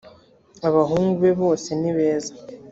abahungu be bose nibeza